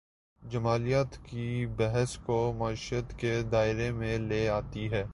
جمالیات کی بحث کو معیشت کے دائرے میں لے آتی ہے۔